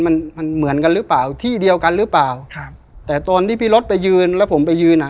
มันมันเหมือนกันหรือเปล่าที่เดียวกันหรือเปล่าครับแต่ตอนที่พี่รถไปยืนแล้วผมไปยืนอ่ะ